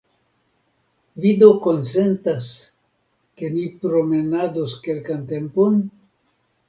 Vi do konsentas, ke ni promenados kelkan tempon?